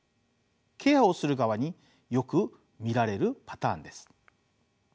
ケアをする側によく見られるパターンです。